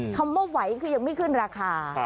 คำว่าไหวคือยังไม่ขึ้นราคา